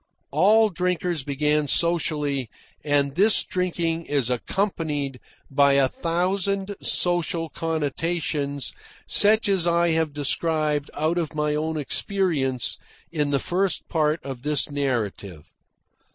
All drinkers begin socially, and this drinking is accompanied by a thousand social connotations such as I have described out of my own experience in the first part of this narrative.